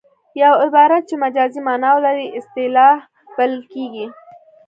یو عبارت چې مجازي مانا ولري اصطلاح بلل کیږي